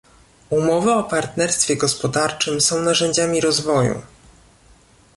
Umowy o partnerstwie gospodarczym są narzędziami rozwoju